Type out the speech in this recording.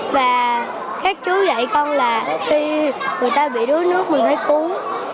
và các chú dạy con là khi người ta bị đuối nước mình phải cuốn